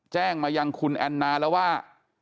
แจ้งมายังคุณแอนนาแล้วว่า